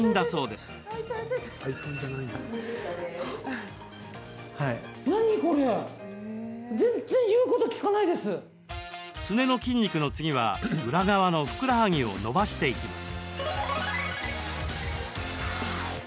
すねの筋肉の次は裏側のふくらはぎを伸ばしていきます。